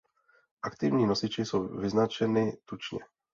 Aktivní nosiče jsou vyznačeny tučně.